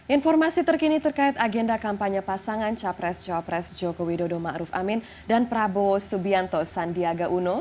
informasi terkini terkait agenda kampanye pasangan capres cowopres jokowi dodo maruf amin dan prabowo subianto sandiaga uno